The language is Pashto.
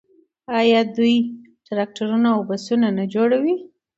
آیا دوی ټراکټورونه او بسونه نه جوړوي؟